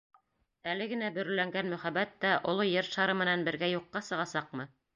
Әле генә бөрөләнгән мөхәббәт тә оло ер шары менән бергә юҡҡа сығасаҡмы?